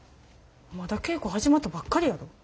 まだ稽古始まったばっかりやろ。